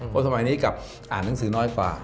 เพราะสมัยนี้กลับอ่านหนังสือน้อยกว่า